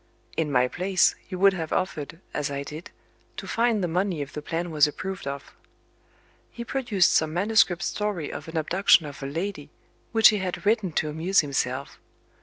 In my place, you would have offered, as I did, to find the money if the plan was approved of. He produced some manuscript story of an abduction of a lady, which he had written to amuse himself.